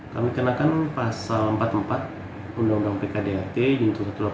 kami kenakan pasal empat puluh empat undang undang pkdrt juntuh satu ratus delapan puluh